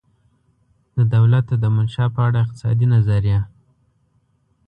د دولته دمنشا په اړه اقتصادي نظریه